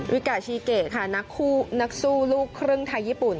ริกาชีเกะค่ะนักสู้ลูกครึ่งไทยญี่ปุ่น